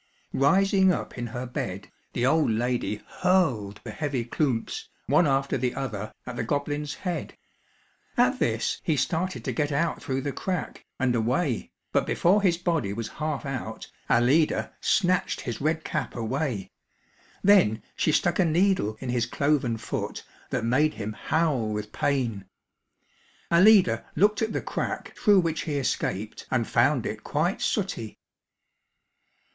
Rising up in her bed, the old lady hurled the heavy klomps, one after the other, at the goblin's head. At this, he started to get out through the crack, and away, but before his body was half out, Alida snatched his red cap away. Then she stuck a needle in his cloven foot that made him howl with pain. Alida looked at the crack through which he escaped and found it quite sooty.